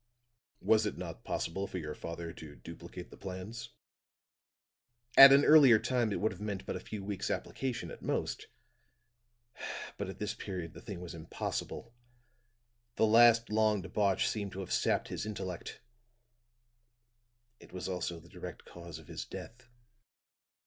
"Was it not possible for your father to duplicate the plans?" "At an earlier time it would have meant but a few weeks' application at most. But at this period the thing was impossible. The last long debauch seemed to have sapped his intellect; it also was the direct cause of his death."